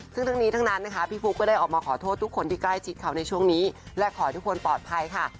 ซึ่งทั้งนี้ทั้งนั้นนะคะพี่ฟุ๊กก็ได้ออกมาขอโทษทุกคนที่ใกล้ชิดเขาในช่วงนี้และขอให้ทุกคนปลอดภัยค่ะ